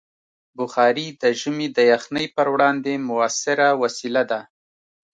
بخاري د ژمي د یخنۍ پر وړاندې مؤثره وسیله ده.